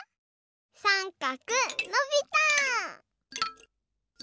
さんかくのびた！